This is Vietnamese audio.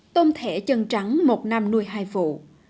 tôm thẻ chân trắng một năm nuôi hai vụ